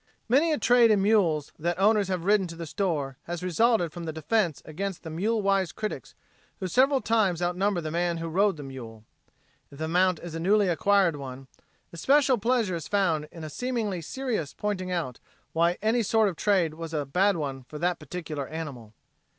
Many a trade in mules that owners have ridden to the store has resulted from the defense against the mule wise critics who several times outnumber the man who rode the mule. If the mount is a newly acquired one, especial pleasure is found in a seemingly serious pointing out why any sort of trade was a bad one for that particular animal.